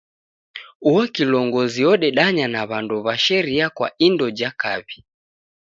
Uo kilongozi odedanya na w'andu w'a sheria kwa indo ja kaw'i.